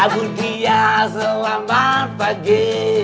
bu diamo selamat pagi